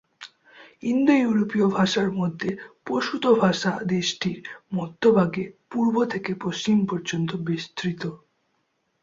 ইন্দো-ইউরোপীয় ভাষার মধ্যে পশতু ভাষা দেশটির মধ্যভাগে পূর্ব থেকে পশ্চিম পর্যন্ত বিস্তৃত।